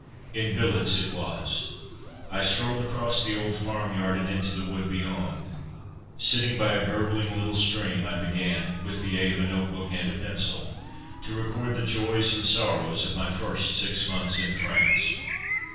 _ _In billets it was. I strolled across the old farmyard and into the wood beyond. Sitting by a gurgling little stream, I began, with the aid of a notebook and a pencil, to record the joys and sorrows of my first six months in France.